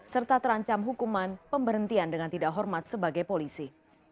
serta terancam hukuman pemberhentian dengan tidak hormat sebagai polisi